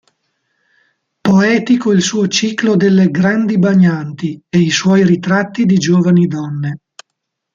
Poetico il suo ciclo delle "Grandi bagnanti" e i suoi ritratti di giovani donne.